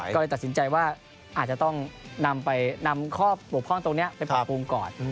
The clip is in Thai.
เราก็เลยตัดสินใจว่าอาจจะต้องนำข้อปลูกอย่างนี้ไปปรับปรวงก่อน